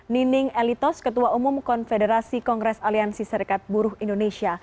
nining elitos ketua umum konfederasi kongres aliansi serikat buruh indonesia